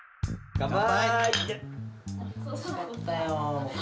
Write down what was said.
乾杯！